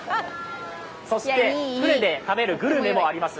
そして船で食べるグルメもあります。